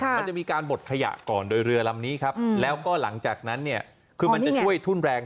มันจะมีการบดขยะก่อนโดยเรือลำนี้ครับแล้วก็หลังจากนั้นเนี่ยคือมันจะช่วยทุ่นแรง